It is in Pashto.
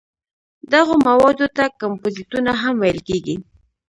دغو موادو ته کمپوزېټونه هم ویل کېږي.